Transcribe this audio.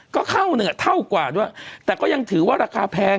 ก็เท่าหนึ่งเท่ากว่าด้วยแต่ก็ยังถือว่าราคาแพง